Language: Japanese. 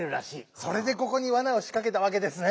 それでここにわなをしかけたわけですね。